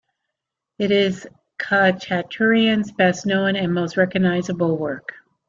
It is Khachaturian's best known and most recognizable work.